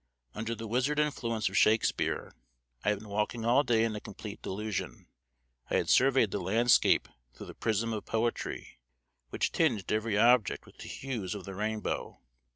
Under the wizard influence of Shakespeare I had been walking all day in a complete delusion. I had surveyed the landscape through the prism of poetry, which tinged every object with the hues of the rainbow.